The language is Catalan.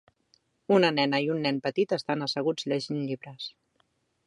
Una nena i un nen petit estan asseguts llegint llibres